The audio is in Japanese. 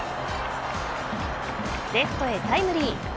レフトへタイムリー。